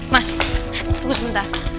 mas tunggu sebentar